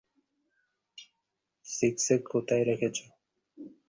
সিক্সে কোথায় রেখেছে?